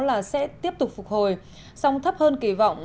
là sẽ tiếp tục phục hồi song thấp hơn kỳ vọng